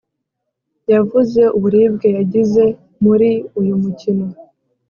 yavuze uburibwe yagize muri uyu mukino